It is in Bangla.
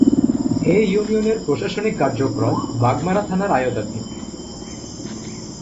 এ ইউনিয়নের প্রশাসনিক কার্যক্রম বাগমারা থানার আওতাধীন।